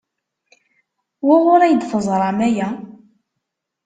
Wuɣur ay d-teẓram aya?